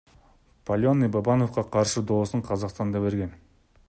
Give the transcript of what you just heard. Паленый Бабановго каршы доосун Казакстанда берген.